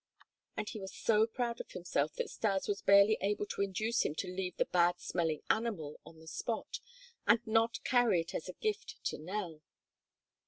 And he was so proud of himself that Stas was barely able to induce him to leave the bad smelling animal on the spot and not to carry it as a gift to Nell.